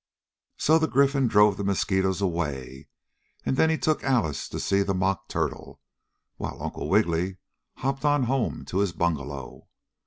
So the Gryphon drove the mosquitoes away and then he took Alice to see the Mock Turtle, while Uncle Wiggily hopped on home to his bungalow.